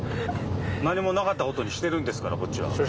何もなかったコトにしてるんですからこっちは。